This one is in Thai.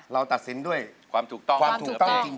เราตัดสินด้วยความถูกต้องจริงนะครับ